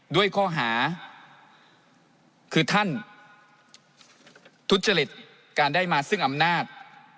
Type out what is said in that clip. ด้วยข้อหาคือท่านทุจริตการได้มาซึ่งอำนาจ